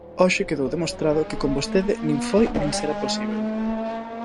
Hoxe quedou demostrado que con vostede nin foi nin será posíbel.